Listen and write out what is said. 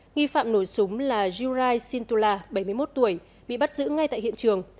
nghi phạm nổi súng là jurai sintula bảy mươi một tuổi bị bắt giữ ngay tại hiện trường